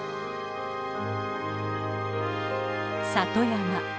里山